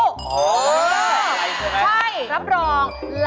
จริงใช่รับรองหรือไม่รับ